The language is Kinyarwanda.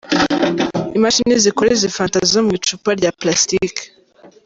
Imashini zikora izi Fanta zo mu icupa rya Plastic.